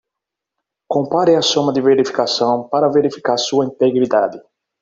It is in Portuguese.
Compare a soma de verificação para verificar sua integridade.